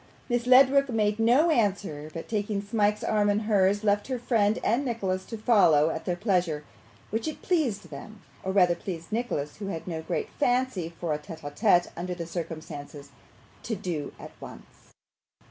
Miss Ledrook made no answer, but taking Smike's arm in hers, left her friend and Nicholas to follow at their pleasure; which it pleased them, or rather pleased Nicholas, who had no great fancy for a TETE A TETE under the circumstances, to do at once.